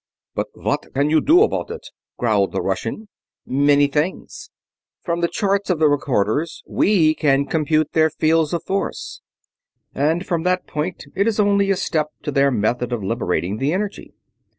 "But what can you do about it?" growled the Russian. "Many things. From the charts of the recorders we can compute their fields of force, and from that point it is only a step to their method of liberating the energy.